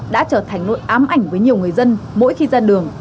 đã trở thành nỗi ám ảnh với nhiều người dân mỗi khi ra đường